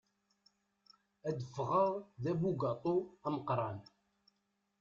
Ad ffɣeɣ d abugaṭu ameqqran.